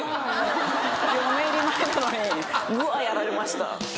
嫁入り前なのにぐわっやられました。